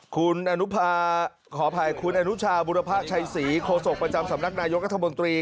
คุณขออภัยคุณอนุชาบุรพะชัยศรีโคศกประจำสำนักนายกรัฐมนตรี